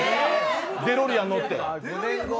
デロリアン乗って。